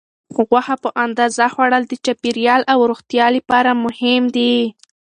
غوښه په اندازه خوړل د چاپیریال او روغتیا لپاره مهم دي.